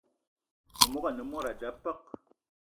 Memogo ane mod a da peuk.